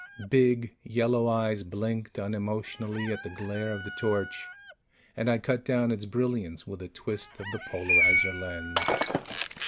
Big yellow eyes blinked unemotionally at the glare of the torch, and I cut down its brilliance with a twist of the polarizer lens.